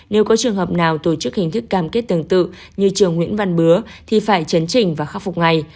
nếu có trường hợp nào tổ chức hình thức cam kết tương tự như trường nguyễn văn bứa thì phải chấn trình và khắc phục ngay